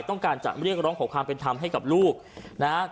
ต้องการจะเรียกร้องขอความเป็นธรรมให้กับลูกนะครับ